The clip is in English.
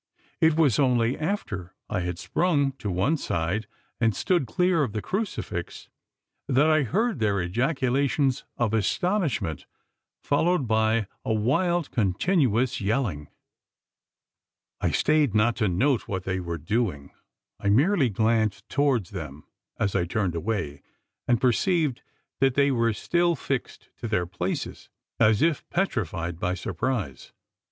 It was only after I had sprung to one side, and stood clear of the crucifix, that I heard their ejaculations of astonishment, followed by a wild continuous yelling. I stayed not to note what they were doing. I merely glanced towards them, as I turned away; and perceived that they were still fixed to their places, as if petrified by surprise!